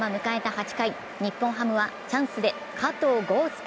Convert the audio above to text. ８回、日本ハムはチャンスで加藤豪将。